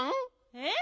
えっ？